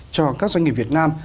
cho các doanh nghiệp việt nam